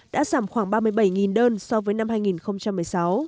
đã giảm khoảng ba mươi bảy đơn so với năm hai nghìn một mươi sáu